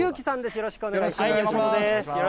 よろしくお願いします。